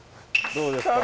どうですか？